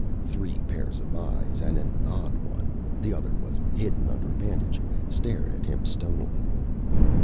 Three pairs of eyes and an odd one the other was hidden under a bandage stared at him stonily.